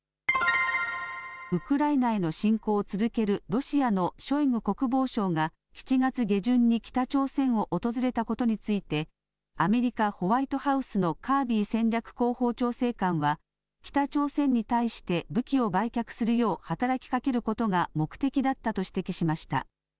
ウクライナへの侵攻を続けるロシアのショイグ国防相が７月下旬に北朝鮮を訪れたことについてアメリカ・ホワイトハウスのカービー戦略広報調整官は北朝鮮に対して武器を売却するよう働きかけることが目的だったと指摘しました。